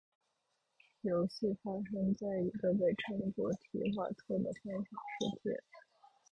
游戏发生在一个被称作「提瓦特」的幻想世界。